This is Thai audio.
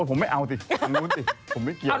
ผมไม่เอาสิอันนู้นสิผมไม่เกี่ยว